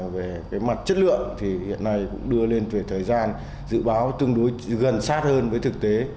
về mặt chất lượng thì hiện nay cũng đưa lên về thời gian dự báo tương đối gần sát hơn với thực tế